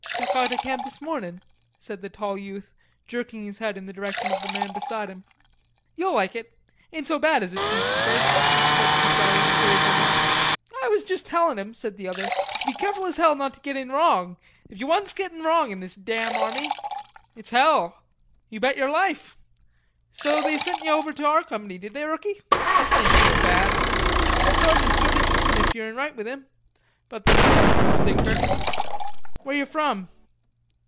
Just got to camp this mornin'," said the tall youth, jerking his head in the direction of the man beside him. "You'll like it. Ain't so bad as it seems at first," said Fuselli encouragingly. "I was just telling him," said the other, "to be careful as hell not to get in wrong. If ye once get in wrong in this damn army... it's hell." "You bet yer life... so they sent ye over to our company, did they, rookie? Ain't so bad. The sergeant's sort o' decent if yo're in right with him, but the lieutenant's a stinker.... Where you from?"